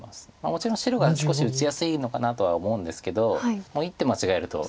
もちろん白が少し打ちやすいのかなとは思うんですけどもう１手間違えると。